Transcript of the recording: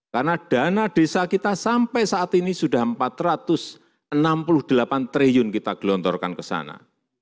karena dana desa kita sampai saat ini sudah empat ratus enam puluh delapan triliun kita gelontorkan ke sana